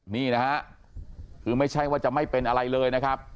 นี่นะฮะคือไม่ใช่ว่าจะไม่เป็นอะไรเลยนะครับ